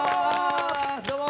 どうも！